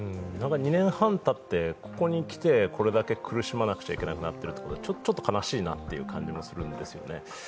２年半たって、ここにきてこれだけ苦しまなくちゃいけなくなってるっていうのはちょっと悲しいなという感じもするんですよね。